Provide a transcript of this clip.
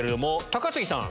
高杉さん